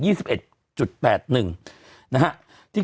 ที่เกิดอุบัติเหตุที่สูงสุด